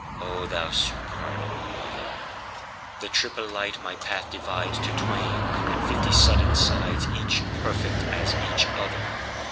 (O thou supernal mother!)The triple light my path dividesTo twain and fifty sudden sidesEach perfect as each other.